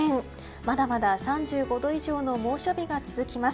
まだまだ３５度以上の猛暑日が続きます。